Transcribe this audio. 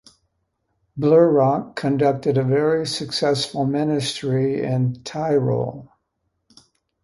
Blaurock conducted a very successful ministry in Tyrol.